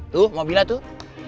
tuh mobilnya tuh